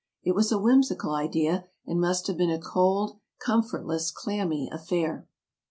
It was a whimsical idea, and must have been a cold, comfortless, clammy affair.